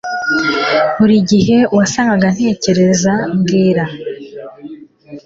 Buri gihe wasangaga ntekereza Mbwira